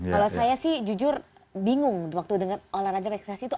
kalau saya sih jujur bingung waktu dengar olahraga rekreasi itu